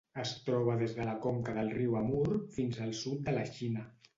Es troba des de la conca del riu Amur fins al sud de la Xina.